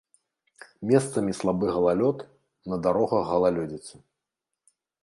Месцамі слабы галалёд, на дарогах галалёдзіца.